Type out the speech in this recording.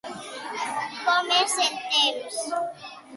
Com és el temps?